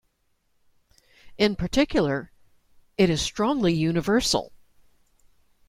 In particular, it is strongly universal.